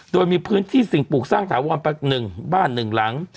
โดยมีพื้นที่สิ่งปลูกสร้างถาวรรณ์ปักหนึ่งบ้านหนึ่งหลัง